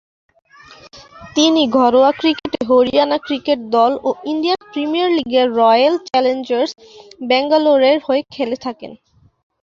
তিনি ঘরোয়া ক্রিকেটে হরিয়ানা ক্রিকেট দল ও ইন্ডিয়ান প্রিমিয়ার লিগে রয়্যাল চ্যালেঞ্জার্স ব্যাঙ্গালোরের হয়ে খেলে থাকেন।